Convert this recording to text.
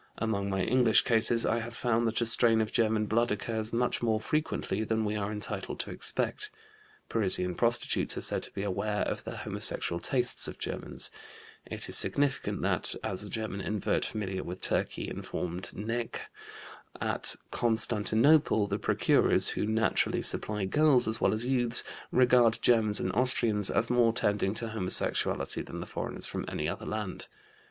Among my English cases I have found that a strain of German blood occurs much more frequently than we are entitled to expect; Parisian prostitutes are said to be aware of the homosexual tastes of Germans; it is significant that (as a German invert familiar with Turkey informed Näcke), at Constantinople, the procurers, who naturally supply girls as well as youths, regard Germans and Austrians as more tending to homosexuality than the foreigners from any other land.